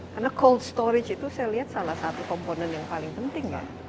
karena cold storage itu saya lihat salah satu komponen yang paling penting